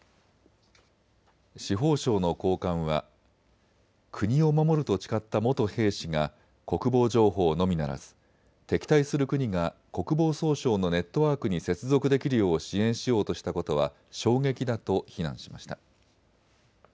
司法省の高官は、国を守ると誓った元兵士が国防情報のみならず、敵対する国が国防総省のネットワークに接続できるよう支援しようとしたことは衝撃だと非難しました。